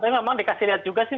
tapi memang dikasih lihat juga sih